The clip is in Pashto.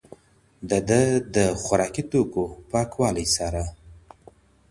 ده د خوراکي توکو پاکوالی څاره.